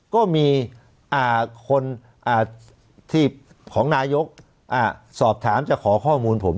ก็มีอ่าคนอ่าที่ของนายกอ่าสอบถามจะขอข้อมูลผม